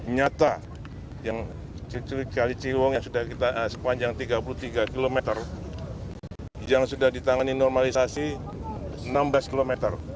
nyata yang sepanjang tiga puluh tiga km yang sudah ditangani normalisasi enam belas km